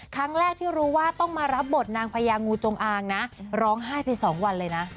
ครั้งแรกที่รู้ว่าต้องมารับบทนางพญางูจงอางนะร้องไห้ไปสองวันเลยนะ